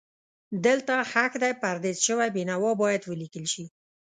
دلته ښخ دی پردیس شوی بېنوا باید ولیکل شي.